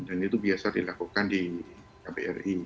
dan itu biasa dilakukan di kbri